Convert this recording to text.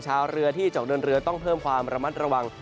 ชาวเรือที่จะออกเดินเรือต้องเพิ่มความระมัดระวัง